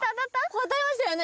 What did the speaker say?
これ当たりましたよね？